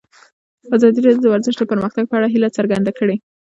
ازادي راډیو د ورزش د پرمختګ په اړه هیله څرګنده کړې.